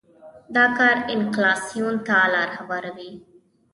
دا کار انفلاسیون ته لار هواروي.